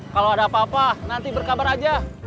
kalau ada apa apa nanti berkabar aja